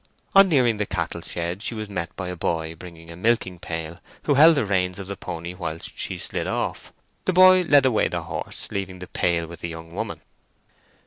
On nearing the cattle shed she was met by a boy bringing a milking pail, who held the reins of the pony whilst she slid off. The boy led away the horse, leaving the pail with the young woman.